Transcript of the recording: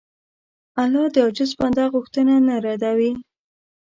الله د عاجز بنده غوښتنه نه ردوي.